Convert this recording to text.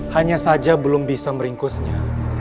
hanya saja belum bisa meringkusnya